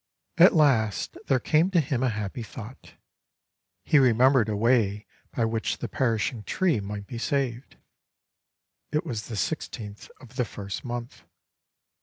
At last there came to him a happy thought: he remem bered a way by which the perishing tree might be saved. (It was the sixteenth of the first month.)